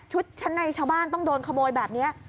ชั้นในชาวบ้านต้องโดนขโมยแบบนี้